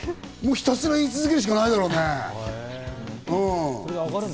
ひたすら言い続けるしかないだろうね。